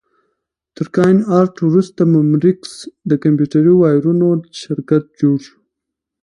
تر کاین ارټ وروسته مموریکس د کمپیوټري وایرونو شرکت جوړ شو.